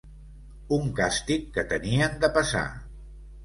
Un càstig que tenien de passar